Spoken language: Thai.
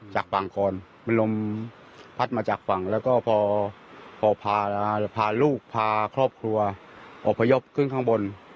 จากฝั่งคอนเป็นลมพัดมาจากฝั่งแล้วก็พอพาลูกพาครอบครัวอบพยพขึ้นข้างบน